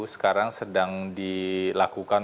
sekarang sedang dilakukan